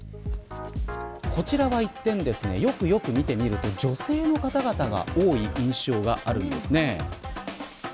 こちらは一転よくよく見てみると女性の方々が多い印象があるんですね。